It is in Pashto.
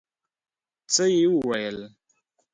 څه يې وويل.